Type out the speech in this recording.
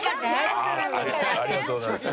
ありがとうございます。